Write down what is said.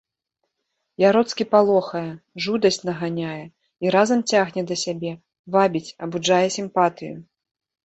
Яроцкі палохае, жудасць наганяе і разам цягне да сябе, вабіць, абуджае сімпатыю.